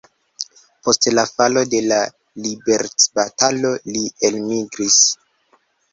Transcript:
Post la falo de la liberecbatalo li elmigris.